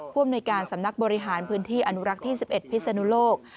อำนวยการสำนักบริหารพื้นที่อนุรักษ์ที่๑๑พิศนุโลก